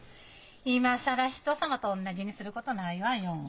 今更人様とおんなじにすることないわよ。